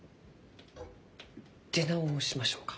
出直しましょうか？